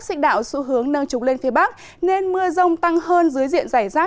xích đạo xu hướng nâng trục lên phía bắc nên mưa rông tăng hơn dưới diện giải rác